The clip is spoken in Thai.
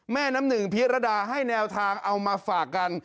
แม่น้ำหนึ่งพิรดาให้แนวทางเอามาฝากกัน